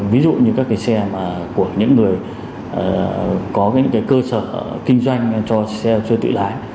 ví dụ như các xe của những người có những cơ sở kinh doanh cho xe tự lái